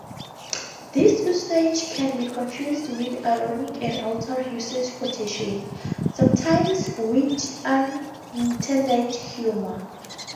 This usage can be confused with ironic or altered-usage quotation, sometimes with unintended humor.